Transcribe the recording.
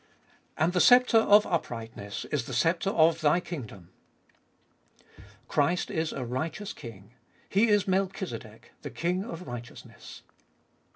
And the sceptre of uprightness is the sceptre of Thy kingdom. Christ is a righteous King: He is Melchizedek, the King of Righteousness.